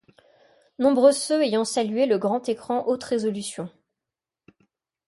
Nombreux ceux ayant salué le grand écran haute résolution.